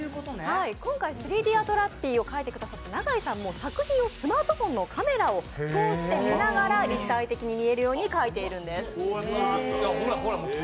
今回３Ｄアートラッピーを描いていただいた永井さんも作品をスマートフォンのカメラを通して立体的に見えるように描いているんです。